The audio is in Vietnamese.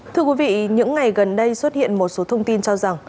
thưa quý vị những ngày gần đây xuất hiện một số thông tin cho rằng